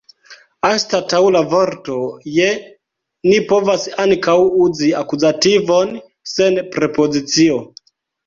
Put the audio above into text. Anstataŭ la vorto « je » ni povas ankaŭ uzi akuzativon sen prepozicio.